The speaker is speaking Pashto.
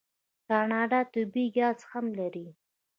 کاناډا طبیعي ګاز هم لري.